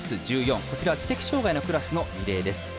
こちらは知的障がいのクラスのリレーです。